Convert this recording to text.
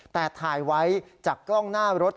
แต่ถ่ายไว้จากกล้องหน้ารถ